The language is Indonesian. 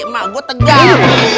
emak gua tegal